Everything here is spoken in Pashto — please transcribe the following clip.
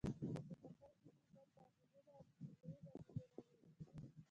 په دې څپرکي کې به تعاملونه او کیمیاوي معادلې ولولئ.